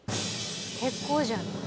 結構じゃない？